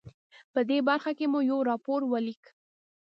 په دې برخه کې مې یو راپور ولیک.